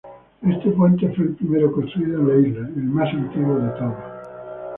Este puente fue el primero construido en la isla, el más antiguo de todos.